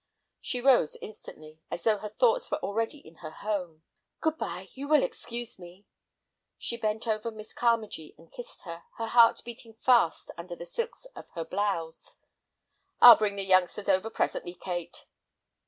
She rose instantly, as though her thoughts were already in her home. "Good bye; you will excuse me—" She bent over Miss Carmagee and kissed her, her heart beating fast under the silks of her blouse. "I'll bring the youngsters over presently, Kate."